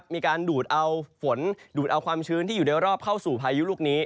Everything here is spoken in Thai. มีการดูดเอาฝนดูดเอาความชื้นที่อยู่ในรอบเข้าสู่พายุลูกนี้